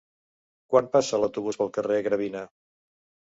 Quan passa l'autobús pel carrer Gravina?